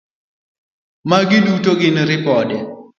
Magi duto gin ripode.